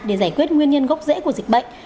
để giải quyết nguyên nhân gốc rễ của dịch bệnh